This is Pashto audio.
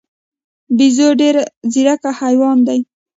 بیزو ډېر ځیرک حیوان دی.